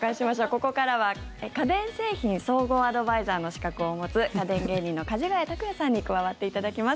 ここからは家電製品総合アドバイザーの資格を持つ家電芸人のかじがや卓哉さんに加わっていただきます。